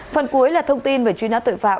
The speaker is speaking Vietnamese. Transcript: phần cuối là thông tin về truy nã tội phạm